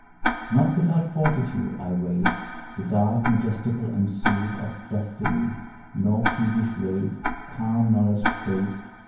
Not without fortitude I wait The dark majestical ensuit Of destiny, nor peevish rate Calm knowledged Fate.